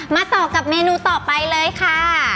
มาต่อกับเมนูต่อไปเลยค่ะ